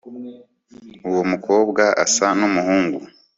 uwo mukobwa asa numuhungu